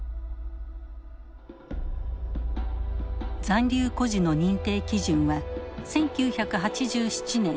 残留孤児の認定基準は１９８７年